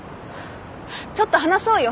ちょっと話そうよ。